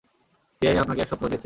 CIA আপনাকে এক সপ্তাহ দিয়েছে।